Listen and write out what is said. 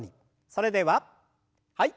それでははい。